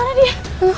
oh mana dia